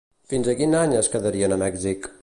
Fins a quin any es quedarien a Mèxic?